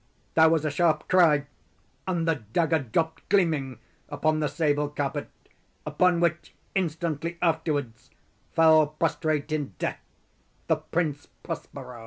There was a sharp cry—and the dagger dropped gleaming upon the sable carpet, upon which, instantly afterwards, fell prostrate in death the Prince Prospero.